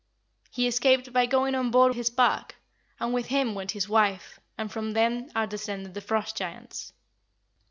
He escaped by going on board his bark, and with him went his wife, and from them are descended the Frost giants."